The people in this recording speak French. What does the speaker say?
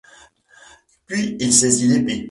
Puis il saisit l’épée.